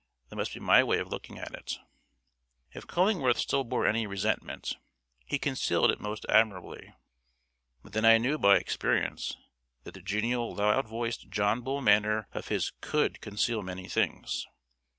That must be my way of looking at it. If Cullingworth still bore any resentment, he concealed it most admirably. But then I knew by experience that that genial loud voiced John Bull manner of his COULD conceal many things.